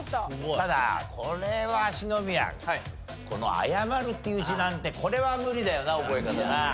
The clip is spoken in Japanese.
ただこれは篠宮この「誤る」っていう字なんてこれは無理だよな覚え方な。